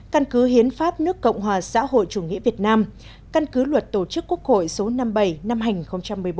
căn cứ hiến pháp nước cộng hòa xã hội chủ nghĩa việt nam căn cứ luật tổ chức quốc hội số năm mươi bảy năm hai nghìn một mươi bốn